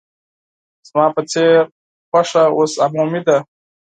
زما په څېر خوښه اوس عمومي ده.